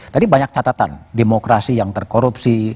tadi banyak catatan demokrasi yang terkorupsi